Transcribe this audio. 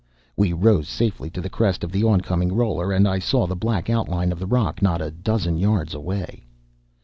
We rose safely to the crest of the oncoming roller, and I saw the black outline of the rock not a dozen yards away.